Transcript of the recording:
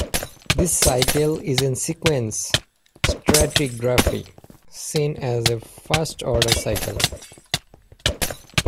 This cycle is in sequence stratigraphy seen as a first order cycle.